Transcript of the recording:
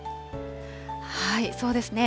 そうですね。